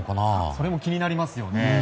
それも気になりますね。